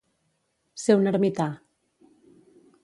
Ser un ermità.